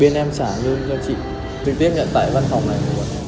bên em trả lương cho chị trực tiếp nhận tại văn phòng này